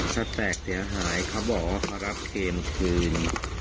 จะแตกเดี๋ยวหายเขาบอกว่าเขารับเกมคืน